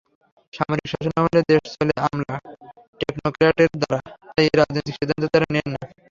সামরিক শাসনামলে দেশ চলে আমলা-টেকনোক্র্যাটের দ্বারা, তাই রাজনৈতিক সিদ্ধান্ত তাঁরা নেন না।